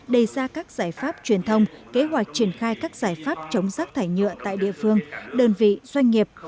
đề ra các giải pháp truyền thông kế hoạch triển khai các giải pháp chống rác thải nhựa tại địa phương đơn vị doanh nghiệp